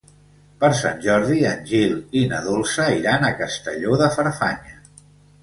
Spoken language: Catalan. Per Sant Jordi en Gil i na Dolça iran a Castelló de Farfanya.